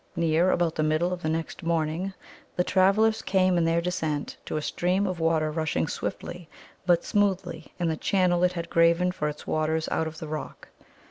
Near about the middle of the next morning the travellers came in their descent to a stream of water rushing swiftly but smoothly in the channel it had graven for its waters out of the rock.